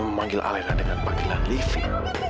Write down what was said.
kok dia bisa kenal lain